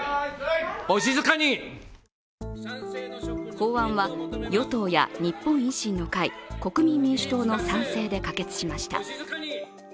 法案は与党や日本維新の会、国民民主党の賛成で可決しました。